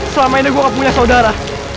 selama ini gue gak punya saudara